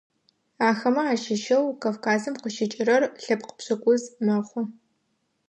Ахэмэ ащыщэу Кавказым къыщыкӏырэр лъэпкъ пшӏыкӏуз мэхъу.